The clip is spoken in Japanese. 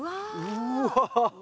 うわ。